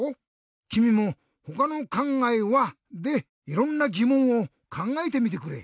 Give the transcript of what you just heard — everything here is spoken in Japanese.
きみも「ほかのかんがえは？」でいろんなぎもんをかんがえてみてくれ。